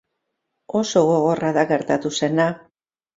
Oso gogorra da gertatu zena.